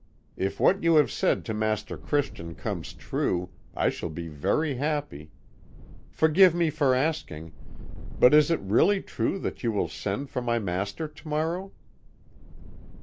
If what you have said to Master Christian comes true I shall be very happy. Forgive me for asking, but is it really true that you will send for my master to morrow?'